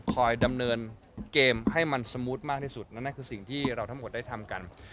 ดำเนินเกมให้มันสมูทมากที่สุดนั่นคือสิ่งที่เราทั้งหมดได้ทำกัน